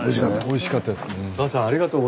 おいしかったです。